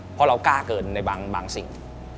เพราะเรากล้าเกินในบางสิ่ง